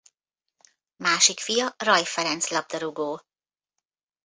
Másik fia Ray Ferenc labdarúgó.